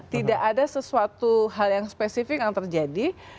tidak ada sesuatu hal yang spesifik yang terjadi